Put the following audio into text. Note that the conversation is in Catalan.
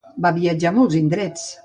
Va viatjar a molts indrets.